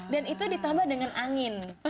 dan itu ditambah dengan angin